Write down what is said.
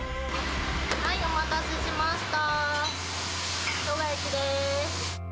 お待たせしました。